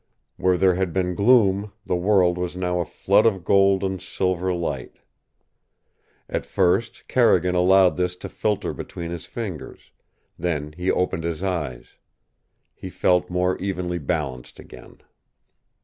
Where there had been gloom, the world was now a flood of gold and silver light. At first Carrigan allowed this to filter between his fingers; then he opened his eyes. He felt more evenly balanced again.